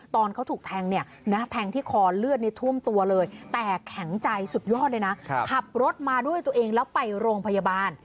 ตอนเขาถูกแทงเนี่ย